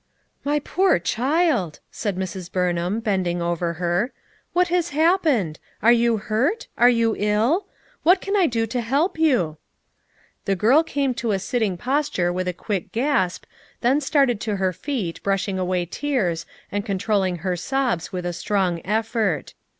"My poor child!" said Mrs. Burnham, bend ing over her. "What has happened? Are you hurt? are you ill? What can I do to help you?" The girl came to a sitting posture with a quick gasp, then started to her feet brushing away tears and controlling her sobs with a strong effort.